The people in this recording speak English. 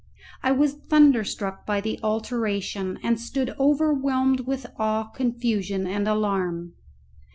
I was thunder struck by the alteration, and stood overwhelmed with awe, confusion, and alarm.